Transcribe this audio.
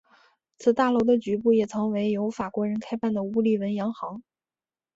此大楼的局部也曾为由法国人开办的乌利文洋行。